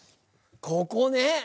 ここね！